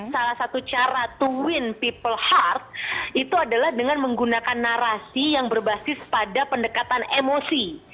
salah satu cara to win people heart itu adalah dengan menggunakan narasi yang berbasis pada pendekatan emosi